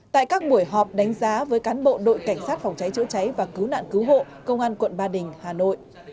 tại các buổi họp đánh giá với cán bộ đội cảnh sát phòng cháy chữa cháy và cứu nạn cứu hộ công an quận ba đình hà nội